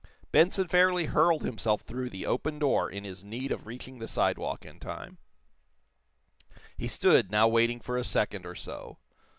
Benson fairly hurled himself through the open door in his need of reaching the sidewalk in time. He stood, now waiting for a second or so.